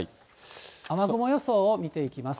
雨雲予想を見ていきます。